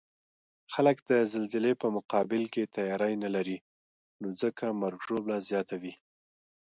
خلک د زلزلې په مقابل کې تیاری نلري، نو ځکه مرګ ژوبله زیاته وی